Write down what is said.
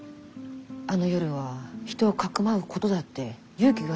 あの夜は人をかくまうことだって勇気がいることだったろう？